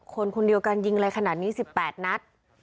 คนคนเดียวกันยิงอะไรขนาดนี้๑๘นัด